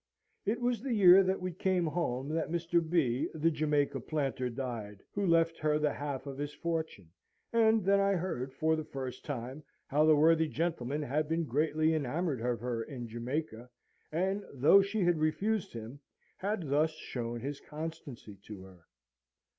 It was the year after we came home that Mr. B, the Jamaica planter, died, who left her the half of his fortune; and then I heard, for the first time, how the worthy gentleman had been greatly enamoured of her in Jamaica, and, though she had refused him, had thus shown his constancy to her.